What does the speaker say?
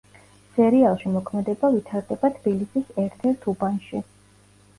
სერიალში მოქმედება ვითარდება თბილისის ერთ-ერთ უბანში.